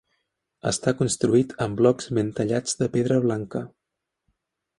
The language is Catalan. Està construït amb blocs ben tallats de pedra blanca.